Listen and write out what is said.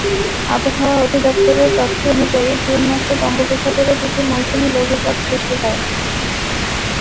আবহাওয়া অধিদপ্তরের তথ্য অনুযায়ী, জুন মাসে বঙ্গোপসাগরে দুটি মৌসুমি লঘুচাপ সৃষ্টি হয়।